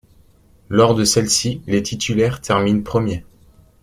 Lors de celle-ci, les titulaires terminent premiers.